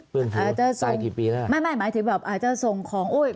เพื่อนฟุ้งตายอีกทีปีแล้วไม่ไม่หมายถึงแบบอาจจะทรงของโอ้ย